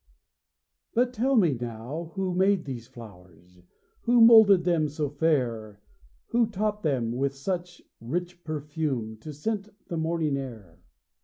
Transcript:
But tell me now, who made these flow'rs, Who moulded them so fair; Who taught them, with such rich perfume, To scent the morning air.